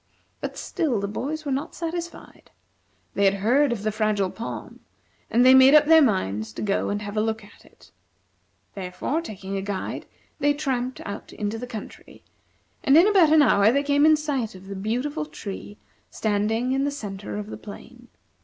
But still the boys were not satisfied. They had heard of the Fragile Palm, and they made up their minds to go and have a look at it. Therefore, taking a guide, they tramped out into the country, and in about an hour they came in sight of the beautiful tree standing in the centre of the plain.